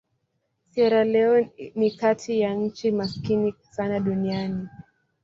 Sierra Leone ni kati ya nchi maskini sana duniani.